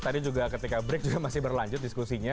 tadi juga ketika break juga masih berlanjut diskusinya